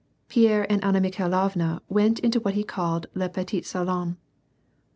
Pierre and Anna Mikhai lovna went into what he called le petit salon.